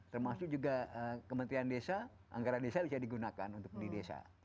termasuk juga kementerian desa anggaran desa bisa digunakan untuk di desa